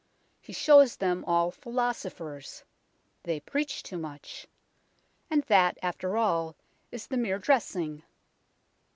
He shows them all philosophers. They preach too much. And that, after all, is the mere dressing.